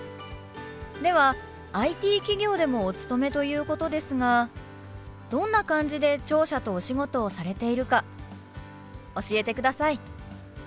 ではＩＴ企業でもお勤めということですがどんな感じで聴者とお仕事をされているか教えてください。